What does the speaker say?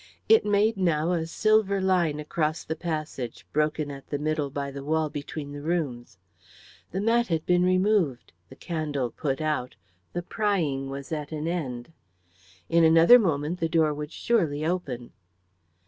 It made now a silver line across the passage broken at the middle by the wall between the rooms. The mat had been removed, the candle put out, the prying was at an end; in another moment the door would surely open.